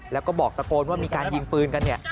แล้วก็บอกตะโกนว่ามีการยิงปืนกันเนี่ย